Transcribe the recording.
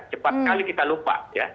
cepat sekali kita lupa ya